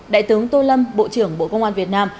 đại tướng tô lâm bộ trưởng bộ công an việt nam